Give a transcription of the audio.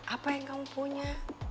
apa yang kamu punya